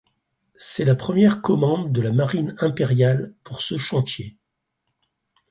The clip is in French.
C'est la première commande de la Marine impériale pour ce chantier.